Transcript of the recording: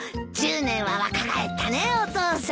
１０年は若返ったねお父さん。